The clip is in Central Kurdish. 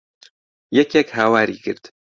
یەکێک هاواری کرد.